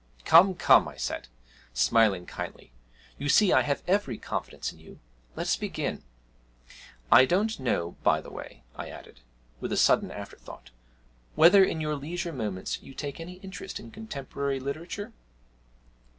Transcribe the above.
'Come, come,' I said, smiling kindly, 'you see I have every confidence in you let us begin. I don't know, by the way,' I added, with a sudden afterthought, 'whether in your leisure moments you take any interest in contemporary literature?'